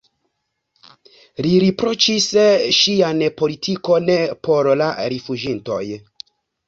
Li riproĉis ŝian politikon por la rifuĝintoj.